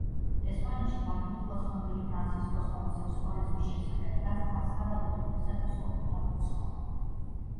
ესპანეთში ფართოდ იყო ცნობილი ფრანსისკოს ჰომოსექსუალიზმის შესახებ, რაც არც თავად დედოფლისათვის ყოფილა უცხო.